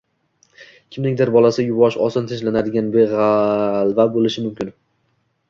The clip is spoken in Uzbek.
Kimningdir bolasi yuvosh, oson tinchlanadigan, beg‘alva bo‘lishi mumkin.